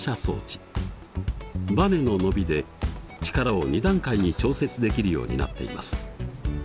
バネの伸びで力を２段階に調節できるようになっています。